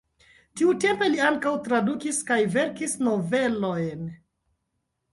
Tiutempe li ankaŭ tradukis kaj verkis novelojn.